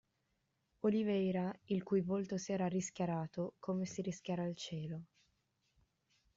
Oliveira, il cui volto si era rischiarato, come si rischiara il cielo.